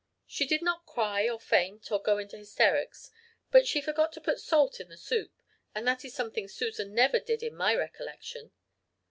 She did not cry or faint or go into hysterics; but she forgot to put salt in the soup, and that is something Susan never did in my recollection.